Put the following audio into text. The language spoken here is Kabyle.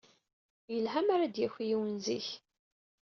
Yelha mi ara d-yaki yiwen zik.